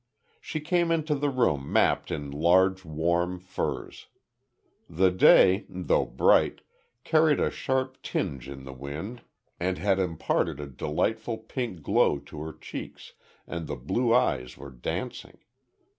She came into the room mapped in large warm furs. The day, though bright, carried a sharp tinge in the wind, and had imparted a delightful pink glow to her cheeks, and the blue eyes were dancing.